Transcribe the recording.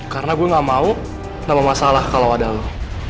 karena gue gak mau nama masalah kalau ada lo